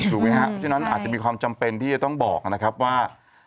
ครับเพราะฉะนั้นอาจจะมีความจำเป็นที่จะต้องบอกนะครับว่า